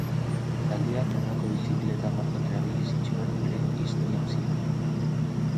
Taldeak honako bizikleta markak erabili zituen bere historian zehar.